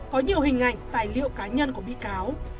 có nhiều hình ảnh tài liệu cá nhân của bị cáo